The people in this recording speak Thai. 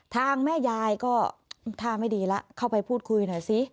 แม่ยายก็ท่าไม่ดีแล้วเข้าไปพูดคุยหน่อยสิ